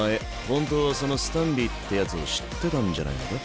本当はそのスタンリーってヤツを知ってたんじゃないのか？